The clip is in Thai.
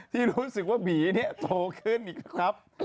ที่รู้สึกว่าหมีนี่โตขึ้นอีกครับ